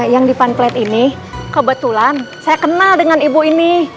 yang di fun plate ini kebetulan saya kenal dengan ibu ini